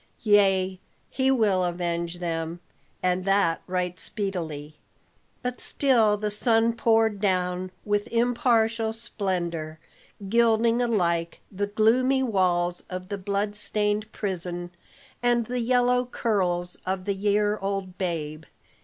Yea, he will avenge them, and that right speedily." But still the sun poured down with impartial splendor, gilding alike the gloomy walls of the blood stained prison, and the yellow curls of the year old babe.